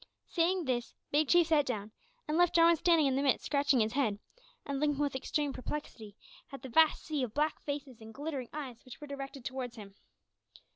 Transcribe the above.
Saying this, Big Chief sat down, and left Jarwin standing in the midst scratching his head, and looking with extreme perplexity at the vast sea of black faces and glittering eyes which were directed towards him.